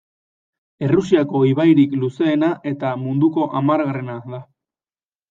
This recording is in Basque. Errusiako ibairik luzeena eta munduko hamargarrena da.